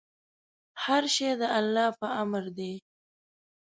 هر شی د الله په امر دی.